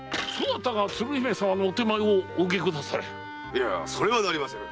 いやそれはなりませぬ。